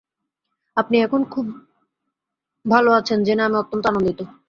আপনি এখন এখন খুব ভাল আছেন জেনে আমি অত্যন্ত আনন্দিত।